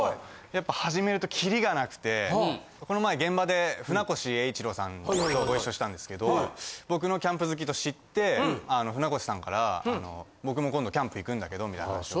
やっぱ始めるとキリがなくてこの前現場で船越英一郎さんとご一緒したんですけど僕のキャンプ好きと知って船越さんから僕も今度キャンプ行くんだけどみたいな話を。